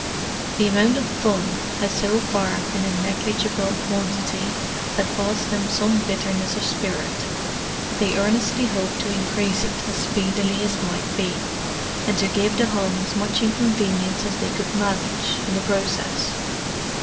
The amount of "fun" had so far been a negligible quantity which caused them some bitterness of spirit. They earnestly hoped to increase it as speedily as might be, and to give the Hun as much inconvenience as they could manage in the process.